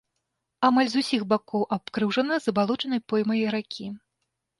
Амаль з усіх бакоў абкружана забалочанай поймай ракі.